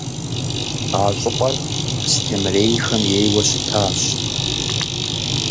А щӏыпӏэр Астемырейхэм ейуэ щытащ.